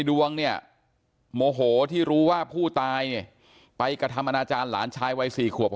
ดวงเนี่ยโมโหที่รู้ว่าผู้ตายไปกระธรรมนาจาลหลานชายวัย๔ขวบ